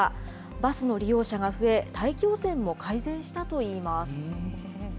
バスの利用者が増え、大気汚染も改善したといいます。